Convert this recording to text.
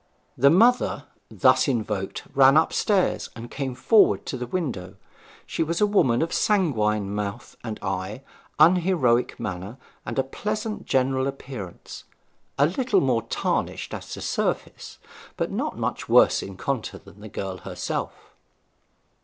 The mother thus invoked ran upstairs and came forward to the window. She was a woman of sanguine mouth and eye, unheroic manner, and pleasant general appearance; a little more tarnished as to surface, but not much worse in contour than the girl herself.